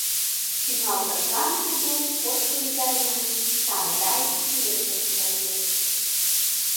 Тӱҥалтышлан тудо кодшо изарнян «Сардай» пьесым шындыш.